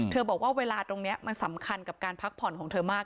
บอกว่าเวลาตรงนี้มันสำคัญกับการพักผ่อนของเธอมาก